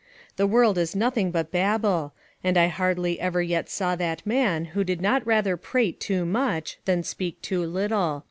The world is nothing but babble; and I hardly ever yet saw that man who did not rather prate too much, than speak too little.